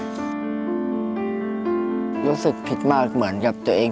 เมื่อกี๊รู้สึกผิดมากเหมือนกับตัวเอง